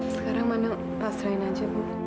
sekarang mano pastikan aja bu